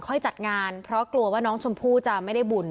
จัดงานเพราะกลัวว่าน้องชมพู่จะไม่ได้บุญ